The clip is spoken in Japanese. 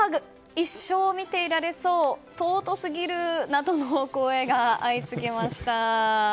一生見てられそう尊すぎる！などの声が相次ぎました。